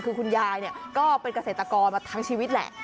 คือคุณยายก็เป็นเกษตรกรมาทั้งชีวิตแหละ